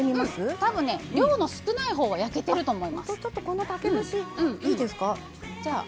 たぶん、量の少ないほうは焼けてると思います。